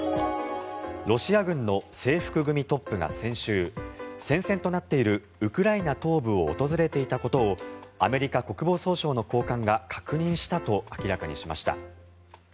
ロシア軍の制服組トップが先週戦線となっているウクライナ東部を訪れていたことをアメリカ国防総省の高官が確認したと明らかにしました。